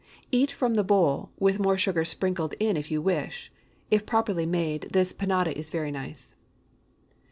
Eat from the bowl, with more sugar sprinkled in if you wish it. If properly made, this panada is very nice.